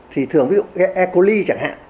thì thường ví dụ e coli chẳng hạn